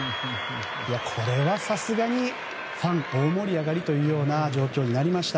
これはさすがにファン大盛り上がりという状況になりました。